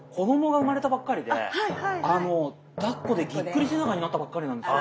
だっこでギックリ背中になったばっかりなんですよ。